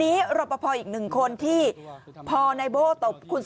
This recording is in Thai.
ไม่รู้อะไรกับใคร